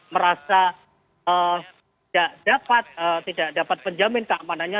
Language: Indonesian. merasa tidak dapat tidak dapat menjamin keamanannya